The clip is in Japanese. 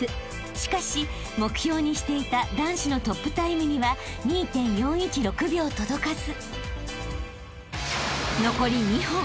［しかし目標にしていた男子のトップタイムには２．４１６秒届かず］